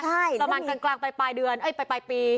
ใช่ประมาณกลางไปปลายปี